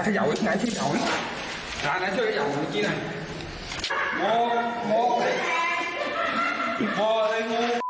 ไหนที่เหล่านี่